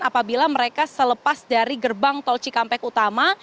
apabila mereka selepas dari gerbang tol cikampek utama